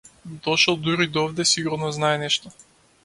Дошол дури до овде сигурно знае нешто.